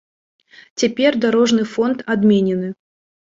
Цяпер дарожны фонд адменены.